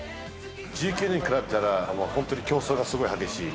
１９年に比べたら、もう本当に競争がすごい激しい。